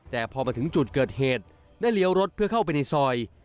แต่พอมาถึงจุดเกิดเหตุได้เลี้ยวรถเพื่อเข้าไปในซอย